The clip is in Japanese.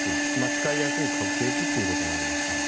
使いやすい核兵器ということになりますね。